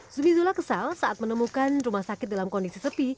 zumizola kesal saat menemukan rumah sakit dalam kondisi sepi